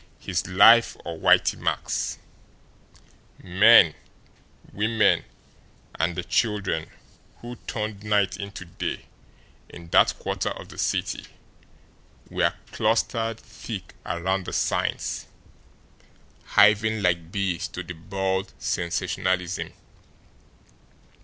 His life or Whitey Mack's! Men, women, and the children who turned night into day in that quarter of the city were clustered thick around the signs, hiving like bees to the bald sensationalism.